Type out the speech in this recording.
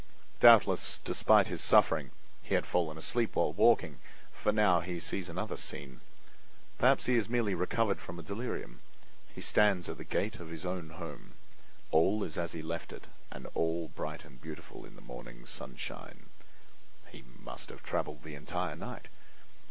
Doubtless, despite his suffering, he had fallen asleep while walking, for now he sees another scene—perhaps he has merely recovered from a delirium. He stands at the gate of his own home. All is as he left it, and all bright and beautiful in the morning sunshine. He must have traveled the entire night.